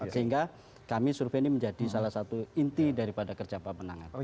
sehingga kami survei ini menjadi salah satu inti daripada kerja pak pemenangan